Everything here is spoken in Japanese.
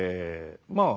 まあ